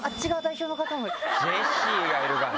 ジェシーがいるからね。